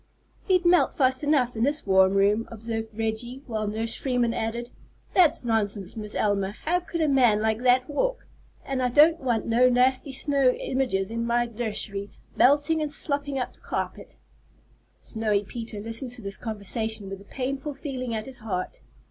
"He'd melt fast enough in this warm room," observed Reggie, while Nurse Freeman added: "That's nonsense, Miss Elma. How could a man like that walk? And I don't want no nasty snow images in my nursery, melting and slopping up the carpet." Snowy Peter listened to this conversation with a painful feeling at his heart.